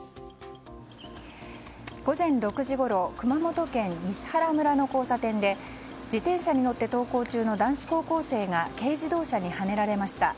午前６時ごろ熊本県西原村の交差点で自転車に乗って登校中の男子高校生が軽自動車にはねられました。